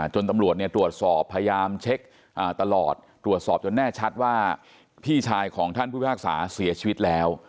ตำรวจตรวจสอบพยายามเช็คตลอดตรวจสอบจนแน่ชัดว่าพี่ชายของท่านผู้พิพากษาเสียชีวิตแล้ว